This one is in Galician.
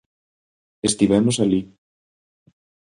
Estivemos alí.